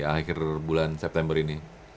akhir bulan september ini